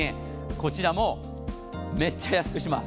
こちらもめっちゃ安くします。